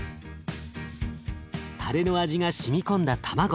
タレの味がしみ込んだ卵。